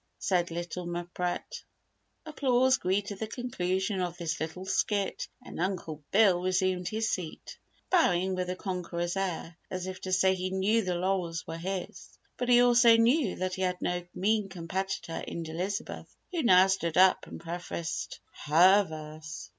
Said little Mpret. Applause greeted the conclusion of this little skit and Uncle Bill resumed his seat, bowing with a conqueror's air, as if to say he knew the laurels were his. But he also knew that he had no mean competitor in Elizabeth, who now stood up and prefaced her verse.